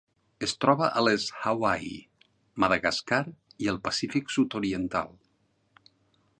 Es troba a les Hawaii, Madagascar i el Pacífic sud-oriental.